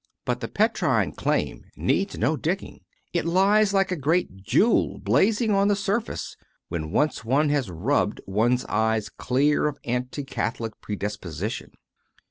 But the Petrine claim needs no digging: it lies like a great jewel, blazing on the surface, when once one has rubbed one s eyes clear of anti Catholic predisposition.